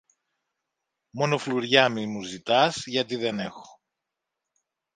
Μόνο φλουριά μη μου ζητάς γιατί δεν έχω.